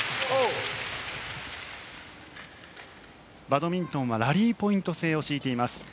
バドミントンはラリーポイント制を敷いています。